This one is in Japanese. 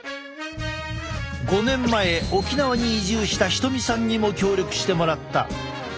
５年前沖縄に移住した瞳さんにも協力してもらった。